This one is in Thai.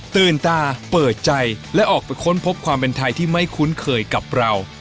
ตื่นตาเปิดใจและออกไปค้นพบความเป็นไทยที่ไม่คุ้นเคยกับเรา